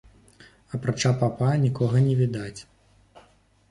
Апрача папа, нікога не відаць.